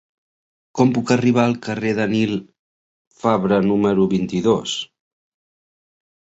Com puc arribar al carrer de Nil Fabra número vint-i-dos?